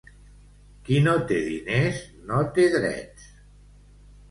Qui no té diners, no té drets.